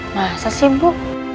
masa sih bu